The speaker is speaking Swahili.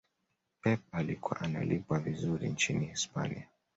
pep alikuwa analipwa vizuri nchini hispania